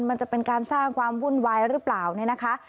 มันจะเป็นการสร้างความวุ่นวายหรือเปล่าเนี่ยนะคะ